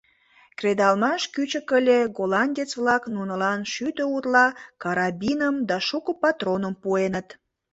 Кредалмаш кӱчык ыле; голландец-влак нунылан шӱдӧ утла карабиным да шуко патроным пуэныт.